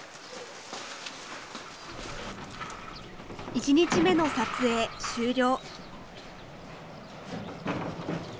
１日目の撮影終了。